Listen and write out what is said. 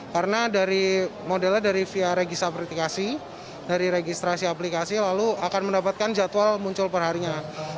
karena dari modelnya dari via registrasi aplikasi lalu akan mendapatkan jadwal muncul perharinya